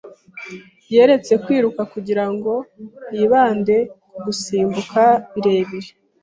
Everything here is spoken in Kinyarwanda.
Yaretse kwiruka kugirango yibande ku gusimbuka birebire.